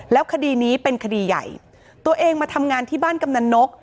แล้วคดีนี้เป็นคดีใหญ่ตัวเองมาทำงานที่บ้านกำนันนก